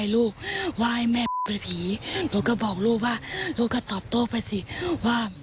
ลูกก็บอกลูกว่าลูกก็ตอบโต้ไปสิว่า